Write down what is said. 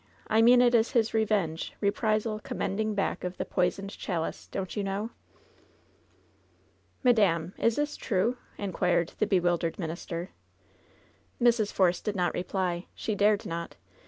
I mean it is his revenge, reprisal, commending back of the poisoned chalice, don't you know ?" "Madam, is this true ?" inquired the bewildered min ister. Mrs. Force did not reply. She dared not.